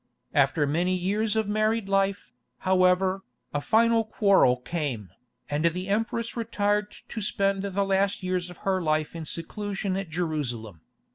After many years of married life, however, a final quarrel came, and the empress retired to spend the last years of her life in seclusion at Jerusalem.